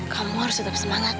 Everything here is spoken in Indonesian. kamu harus tetap semangat